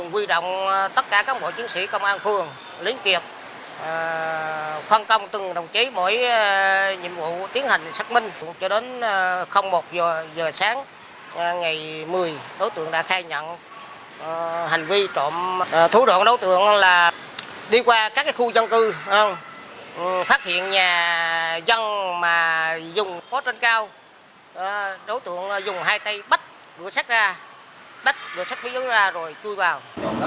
và dân mà dùng có trân cao đối tượng dùng hai tay bắt cửa sách ra bắt cửa sách quý ứng ra rồi chui vào